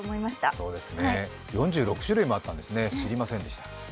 そうですね、４６種類もあったんですね、知りませんでした。